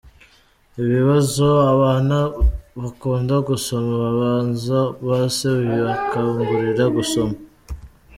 Ibibazo abana bakunda gusoma babaza ba se bibakangurira gusoma.